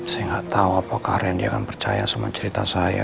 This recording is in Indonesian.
saya nggak tahu apakah rendy akan percaya sama cerita saya